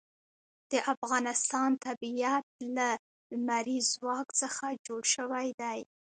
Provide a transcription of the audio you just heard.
د افغانستان طبیعت له لمریز ځواک څخه جوړ شوی دی.